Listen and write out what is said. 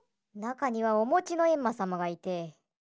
なかにはおもちのえんまさまがいて。